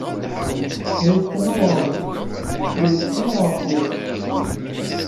D ayefki aweṛdi, d ayefki aweṛdi!